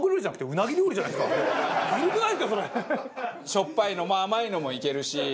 しょっぱいのも甘いのもいけるし。